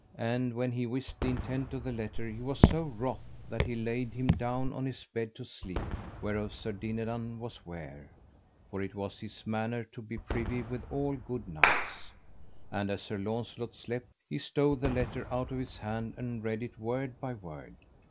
And when he wist the intent of the letter he was so wroth that he laid him down on his bed to sleep, whereof Sir Dinadan was ware, for it was his manner to be privy with all good knights. And as Sir Launcelot slept he stole the letter out of his hand, and read it word by word.